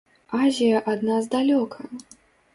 Азія ад нас далёка!